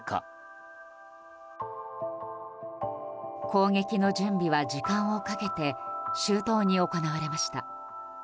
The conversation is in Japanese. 攻撃の準備は時間をかけて周到に行われました。